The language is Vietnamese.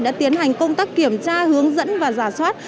đã tiến hành công tác kiểm tra hướng dẫn và giả soát